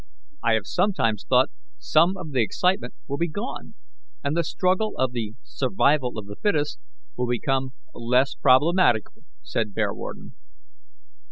"I have sometimes thought some of the excitement will be gone, and the struggle of the 'survival of the fittest' will become less problematical," said Bearwarden.